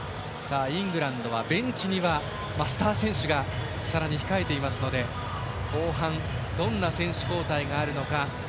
イングランドはベンチには、スター選手がさらに控えているので後半、どんな選手交代があるか。